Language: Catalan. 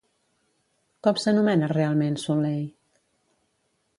Com s'anomena realment Sulley?